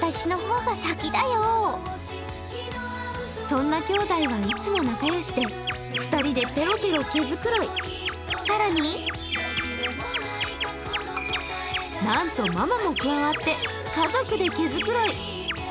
そんなきょうだいはいつも仲良しで、２人でペロペロ毛繕い、更になんと、ママも加わって家族で毛繕い。